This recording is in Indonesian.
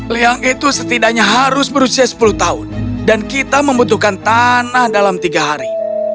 liang itu setidaknya harus berusia sepuluh tahun dan kita membutuhkan tanah dalam tiga hari